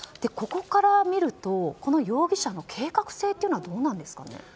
ここから見ると容疑者の計画性というのはどうなんですかね。